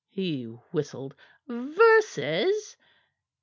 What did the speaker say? he whistled. "Verses!